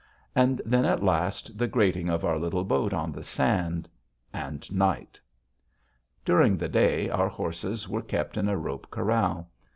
And then, at last, the grating of our little boat on the sand and night. During the day, our horses were kept in a rope corral.